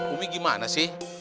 umi gimana sih